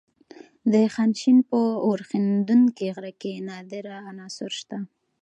د خانشین په اورښیندونکي غره کې نادره عناصر شته.